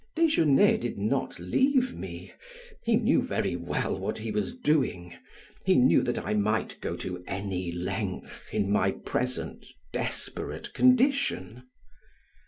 Desgenais did not leave me, he knew very well what he was doing, he knew that I might go to any length in my present desperate condition.